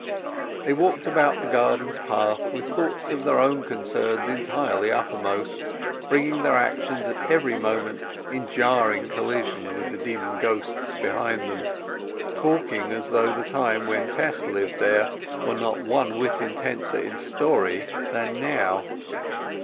They walked about the garden paths with thoughts of their own concerns entirely uppermost, bringing their actions at every moment in jarring collision with the dim ghosts behind them, talking as though the time when Tess lived there were not one whit intenser in story than now.